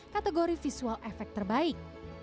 kategori visual efek terbaik